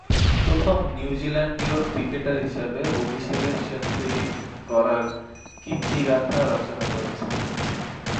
প্রথম নিউজিল্যান্ডীয় ক্রিকেটার হিসেবে অভিষেকে সেঞ্চুরি করার কীর্তিগাঁথা রচনা করেছেন।